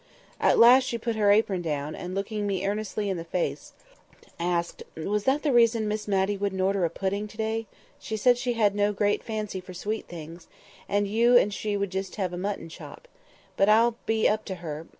At last she put her apron down, and looking me earnestly in the face, asked, "Was that the reason Miss Matty wouldn't order a pudding to day? She said she had no great fancy for sweet things, and you and she would just have a mutton chop. But I'll be up to her.